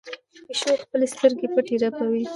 پیشو مې خپلې سترګې رپوي.